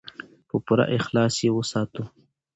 په پوره اخلاص یې وساتو.